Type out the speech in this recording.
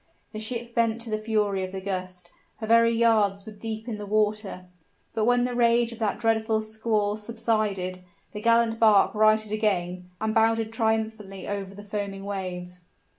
The ship bent to the fury of the gust her very yards were deep in the water. But when the rage of that dreadful squall subsided, the gallant bark righted again, and bounded triumphantly over the foaming waves.